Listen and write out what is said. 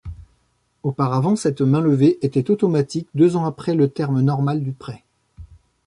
Auparavant, cette mainlevée était automatique deux ans après le terme normal du prêt.